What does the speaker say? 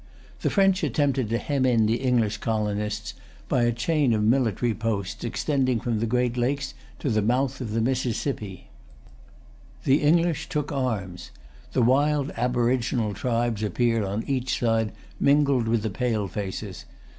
The French attempted to hem in the English colonists by a chain of military posts, extending from the Great Lakes to the mouth of the Mississippi.[Pg 303] The English took arms. The wild aboriginal tribes appeared on each side mingled with the Pale Faces.